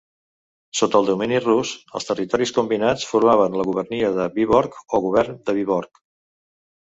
Sota el domini rus, els territoris combinats formaven la gubèrnia de Víborg o govern de Víborg.